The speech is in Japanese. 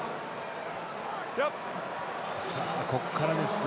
ここからですね。